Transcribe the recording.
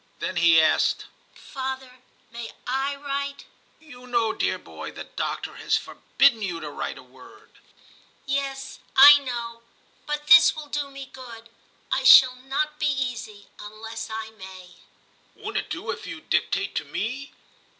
Then he asked, * Father, may / write ?* *You know, dear boy, the doctor has forbidden you to write a word.' 304 TIM CHAP. * Yes, I know ; but this will do me good. I shall not be easy unless I may/ ' Won't it do if you dictate to me